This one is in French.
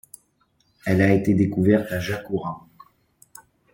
Elle a été découverte à Jácura.